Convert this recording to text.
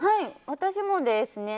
私もですね。